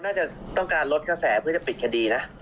น่าจะต้องการลดกระแสเพื่อจะปิดคดีนะ